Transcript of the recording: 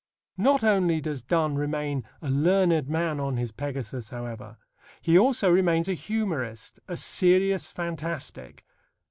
Not only does Donne remain a learned man on his Pegasus, however: he also remains a humorist, a serious fantastic.